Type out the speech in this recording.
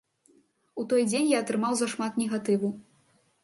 У той дзень я атрымаў зашмат негатыву.